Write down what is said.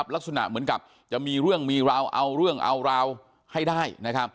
ลักษณะเหมือนกับจะมีเรื่องมีราวเอาเรื่องเอาราวให้ได้